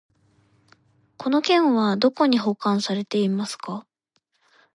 この件はどこに保管されてますか？